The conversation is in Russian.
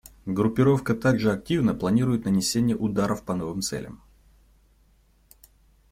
Группировка также активно планируют нанесение ударов по новым целям.